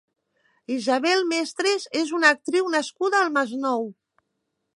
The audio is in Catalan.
Isabel Mestres és una actriu nascuda al Masnou.